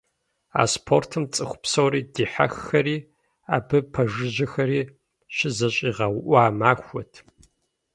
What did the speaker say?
А спортым цӏыху псори - дихьэххэри абы пэжыжьэхэри - щызэщӏигъэуӏуа махуэт.